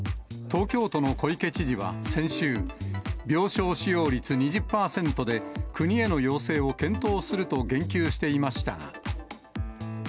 東京都の小池知事は先週、病床使用率２０％で国への要請を検討すると言及していましたが。